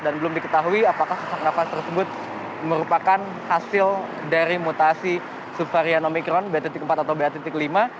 dan belum diketahui apakah sesak nafas tersebut merupakan hasil dari mutasi subsvarian omikron ba empat atau ba lima